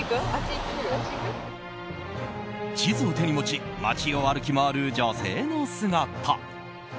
地図を手に持ち街を歩き回る女性の姿。